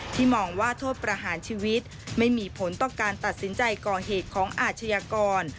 มองว่าโทษประหารชีวิตไม่มีผลต่อการตัดสินใจก่อเหตุของอาชญากร